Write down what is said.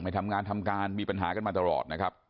ทำงานทำการมีปัญหากันมาตลอดนะครับ